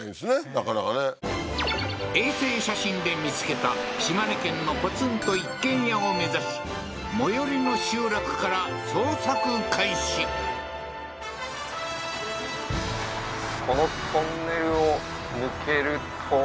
なかなかね衛星写真で見つけた島根県のポツンと一軒家を目指し最寄りの集落から捜索開始いやー